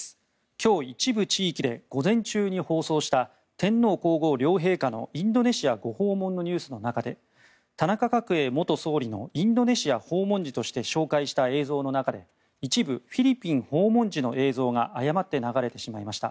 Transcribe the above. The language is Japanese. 今日、一部地域で午前中に放送した天皇・皇后両陛下のインドネシアご訪問のニュースの中で田中角栄元総理のインドネシア訪問時として紹介した映像の中で一部フィリピン訪問時の映像が誤って流れてしまいました。